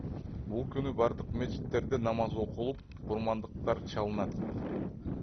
Бул күнү бардык мечиттерде намаз окулуп, курмандыктар чалынат.